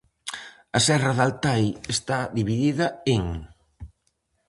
A serra de Altai está dividida en.